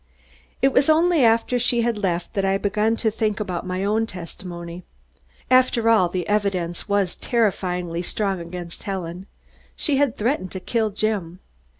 It was only after she had left that I began to think about my own testimony. After all, the evidence was terrifyingly strong against Helen. She had threatened to kill Jim.